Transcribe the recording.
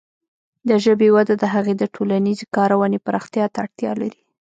د ژبې وده د هغې د ټولنیزې کارونې پراختیا ته اړتیا لري.